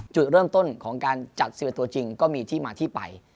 จุดเริ่มต้นของการจัด๑๑ตัวจริงก็มีที่มาที่ไป